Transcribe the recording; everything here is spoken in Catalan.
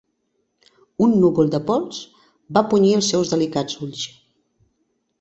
Un núvol de pols va punyir els seus delicats ulls.